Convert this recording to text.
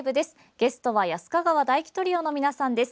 ゲストは安ヵ川大樹トリオの皆さんです。